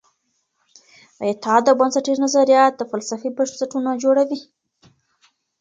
اعداد او بنسټیز نظریات د فلسفې بنسټونه جوړوي.